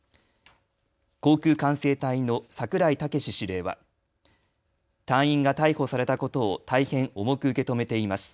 航空管制隊の櫻井猛司令は隊員が逮捕されたことを大変重く受け止めています。